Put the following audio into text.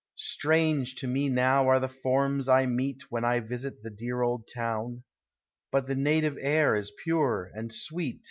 Strange to me now are the forms I meet When I visit the dear old town; But the native air is pure and sweet.